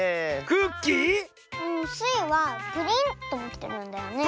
クッキー⁉スイはプリンともきてるんだよね。